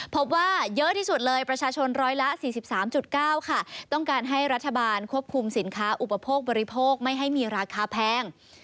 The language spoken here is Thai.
พบว่าเยอะที่สุดเลยประชาชนร้อยละ๔๓๙ค่ะต้องการให้รัฐบาลควบคุมสินค้าอุปโภคบริโภคไม่ให้มีราคาแพง